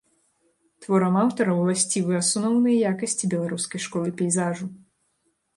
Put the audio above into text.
Творам аўтара ўласцівы асноўныя якасці беларускай школы пейзажу.